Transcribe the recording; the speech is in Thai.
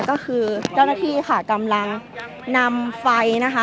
ก็คือเจ้าหน้าที่ค่ะกำลังนำไฟนะคะ